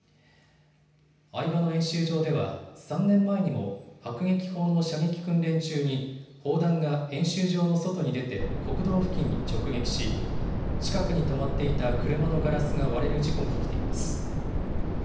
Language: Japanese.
饗庭野演習場では３年前にも迫撃砲の射撃訓練中に砲弾が演習場の外に出て国道付近に直撃し近くに止まっていた車のガラスが割れる事故が起きています。